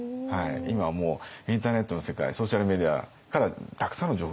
今はもうインターネットの世界ソーシャルメディアからたくさんの情報が集まりますので。